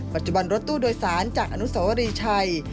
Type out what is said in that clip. ปัจจุบันรถตู้โดยสารจากอนุสวรีชัย